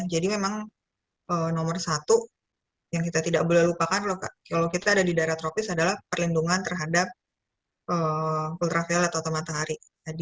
jadi ini adalah hal yang nomor satu yang tidak boleh kita lupakan kalau kita ada di daerah tropis adalah perlindungan terhadap ultraviolet atau matahari